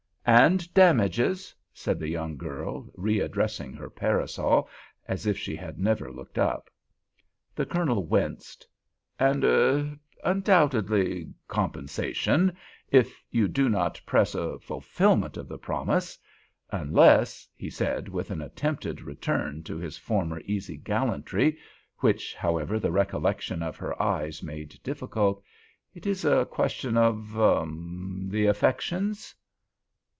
"And damages," said the young girl, readdressing her parasol, as if she had never looked up. The Colonel winced. "And—er—undoubtedly compensation—if you do not press a fulfilment of the promise. Unless," he said, with an attempted return to his former easy gallantry, which, however, the recollection of her eyes made difficult, "it is a question of—er—the affections?"